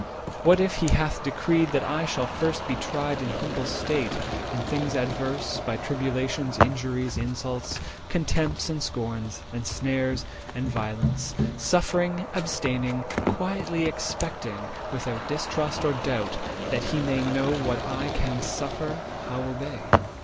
What if he hath decreed that I shall first Be tried in humble state, and things adverse, By tribulations, injuries, insults, 190 Contempts, and scorns, and snares, and violence, Suffering, abstaining, quietly expecting Without distrust or doubt, that He may know What I can suffer, how obey?